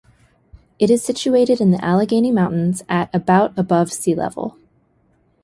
It is situated in the Allegheny Mountains at about above sea level.